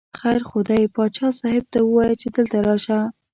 خیر خو دی، باچا صاحب ته ووایه چې دلته راشه.